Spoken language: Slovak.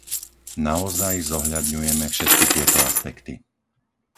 Naozaj zohľadňujeme všetky tieto aspekty.